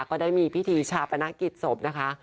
ก็ได้มีพิธีชาปนกิจศพนะคะ